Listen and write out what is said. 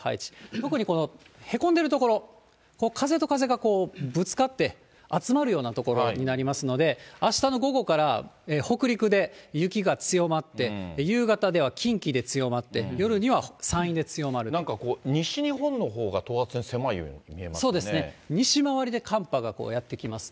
特にこのへこんでる所、風と風がぶつかって、集まるような所になりますので、あしたの午後から北陸で雪が強まって、夕方では、近畿で強まって、なんかこう、西日本のほうがそうですね、西回りで寒波ややって来ます。